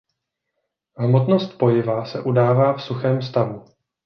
Hmotnost pojiva se udává v suchém stavu.